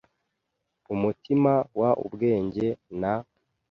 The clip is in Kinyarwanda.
umutima w ubwenge n